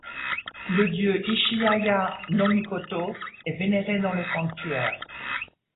Le dieu Ichihaya-no-mikoto est vénéré dans le sanctuaire.